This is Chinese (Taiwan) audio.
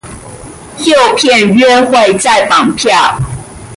誘騙約會再綁票